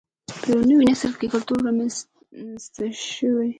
یو نوی نسل او کلتور رامینځته شو